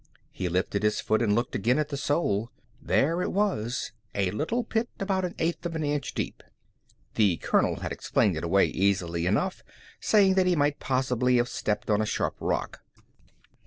He lifted his foot and looked again at the sole. There it was: a little pit about an eighth of an inch deep. The colonel had explained it away easily enough, saying that he might possibly have stepped on a sharp rock.